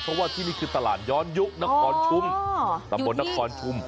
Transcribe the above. เพราะว่าที่นี่คือตลาดย้อนยุคนครชุมตำบลนครชุม